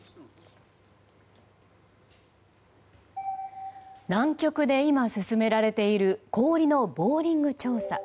今、南極で進められている氷のボーリング調査。